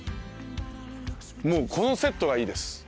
もうこのセットがいいです。